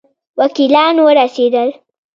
وکیلان ورسېدل.